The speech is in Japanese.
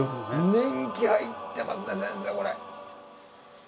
年季入ってますね先生これ！